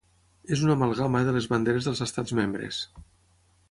És una amalgama de les banderes dels estats membres: